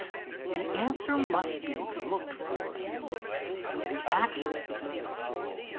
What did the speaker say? The answer must be looked for in the nature of the accident.